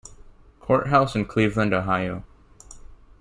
Courthouse in Cleveland, Ohio.